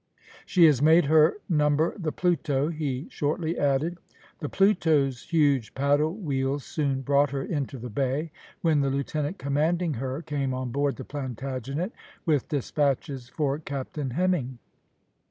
"She has made her number the Pluto," he shortly added. The Pluto's huge paddle wheels soon brought her into the bay, when the lieutenant commanding her came on board the Plantagenet, with despatches for Captain Hemming.